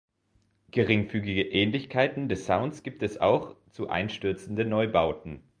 Geringfügige Ähnlichkeiten des Sounds gibt es auch zu Einstürzende Neubauten.